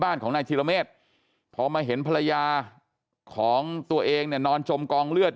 บ้านของนายธิรเมษพอมาเห็นภรรยาของตัวเองเนี่ยนอนจมกองเลือด